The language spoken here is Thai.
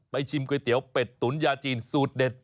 ชิมก๋วยเตี๋ยวเป็ดตุ๋นยาจีนสูตรเด็ด